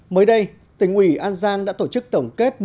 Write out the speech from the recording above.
mới đây tỉnh ủy an giang đã tổ chức tổng kết